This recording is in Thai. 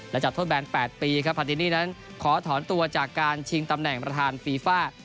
และจากโทษแบน๘ปีครับพาตินี่นั้นขอถอนตัวจากการชิงตำแหน่งประธานฟีฟ่า